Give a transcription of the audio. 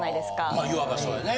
まあいわばそうやね。